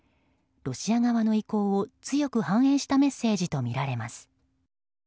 ロシア側の意向を強く反映したメッセージとみられます。